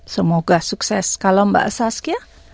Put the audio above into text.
semoga sukses kalau mbak saskia